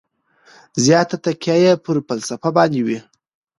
زیاته تکیه یې پر فلسفه باندې وي.